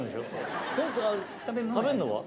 食べるのは？